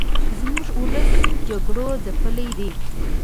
زموږ ولس جګړو ځپلې دې